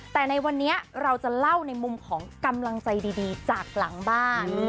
แต่ในวันนี้เราจะเล่าในมุมของกำลังใจดีจากหลังบ้าน